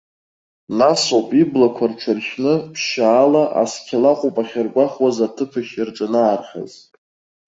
Нас ауп иблақәа рҽырхьны, ԥшьаала, асқьала ыҟоуп ахьыргәахәуаз аҭыԥахь рҿанаархаз.